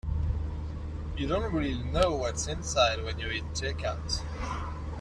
You don't really know what's inside when you eat takeouts.